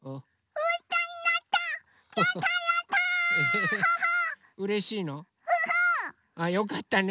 うん！よかったね。